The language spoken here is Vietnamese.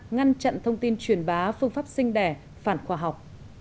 ngăn chặn thông tin truyền bá phương pháp sinh đẻ phản khoa học